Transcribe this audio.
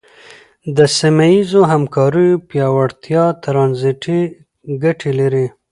د سیمه ییزو همکاریو پیاوړتیا ترانزیټي ګټې لري.